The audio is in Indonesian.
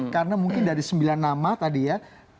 karena mungkin dari sembilan nama tadi ya